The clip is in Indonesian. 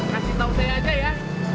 kasih tau saya aja ya